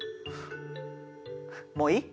もういい？